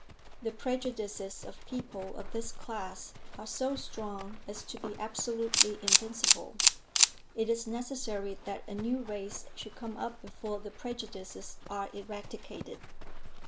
The prejudices of people of this class are so strong as to be absolutely invincible. It is necessary that a new race should come up before the prejudices are eradicated.